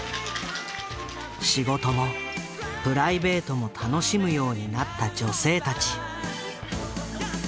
仕事もプライベートも楽しむようになった女性たち。